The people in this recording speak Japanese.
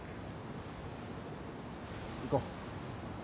行こう。